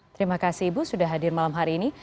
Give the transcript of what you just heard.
terima kasih ibu sudah hadir malam hari ini